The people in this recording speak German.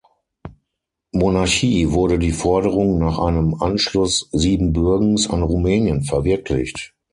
Monarchie wurde die Forderung nach einem Anschluss Siebenbürgens an Rumänien verwirklicht.